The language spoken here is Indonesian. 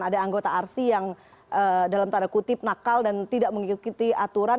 ada anggota rsi yang dalam tanda kutip nakal dan tidak mengikuti aturan